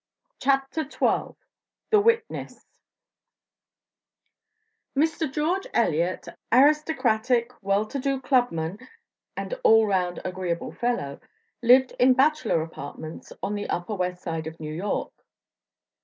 CHAPTER XII The Witness Mr. George Elliott, aristocratic, well to do club man and all round agreeable fellow, lived in bachelor apartments on the upper West side of New York.